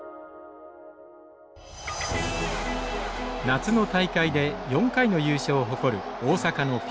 夏の大会で４回の優勝を誇る大阪のＰＬ学園。